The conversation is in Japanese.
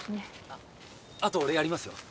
ああと俺やりますよ。